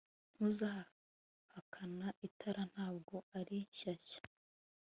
Ntuzahakana itara ntabwo ari shyashya